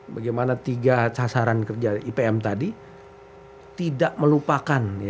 bagaimana tiga sasaran kerja ipm tadi tidak melupakan